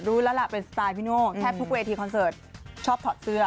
รู้แล้วล่ะเป็นสไตล์พี่โน่แทบทุกเวทีคอนเสิร์ตชอบถอดเสื้อ